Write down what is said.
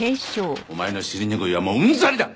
お前の尻拭いはもううんざりだ！